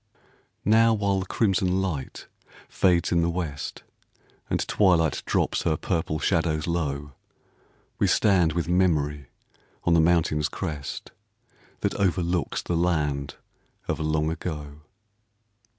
Now while the crimson light fades in the west, And twilight drops her purple shadows low We stand with Memory on the mountain's crest, That overlooks the land of Long Ago.